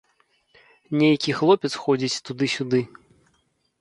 Нейкі хлопец ходзіць туды-сюды.